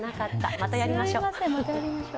またやりましょう。